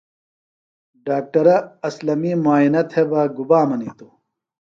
ڈاکٹرہ اسلمی مُعائنہ تھےۡ بہ گُبا منِیتوۡ؟